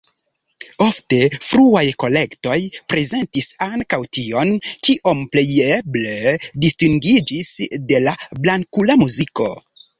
Ofte fruaj kolektoj prezentis ankaŭ tion, kio plejeble distingiĝis de la blankula muziko.